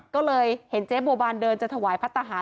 ก็เลยเห็นเจ๊บัวบานเดินจะถวายพระทหาร